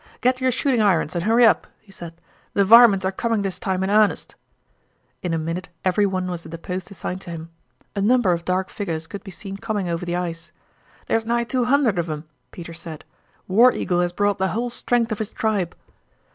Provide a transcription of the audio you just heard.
"Get your shooting irons and hurry up," he said. "The varmints are coming this time in arnest." In a minute everyone was at the post assigned to him. A number of dark figures could be seen coming over the ice. "There's nigh two hundred of 'em," Peter said. "War Eagle has brought the whole strength of his tribe."